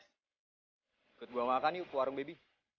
ikut bawa makan yuk ke warung baby